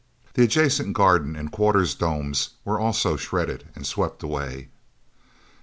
The adjacent garden and quarters domes were also shredded and swept away.